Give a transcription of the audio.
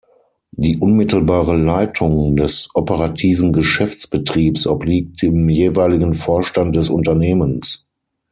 Die unmittelbare Leitung des operativen Geschäftsbetriebs obliegt dem jeweiligen Vorstand des Unternehmens.